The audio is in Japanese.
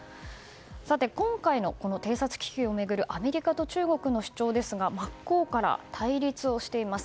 さて、今回の偵察気球を巡るアメリカと中国の主張ですが真っ向から対立をしています。